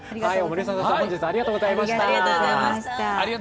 森定さんありがとうございました。